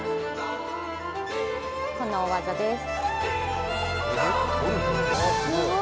この大技です。